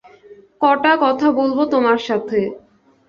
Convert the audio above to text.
কটা কথা বলব তোমাকে।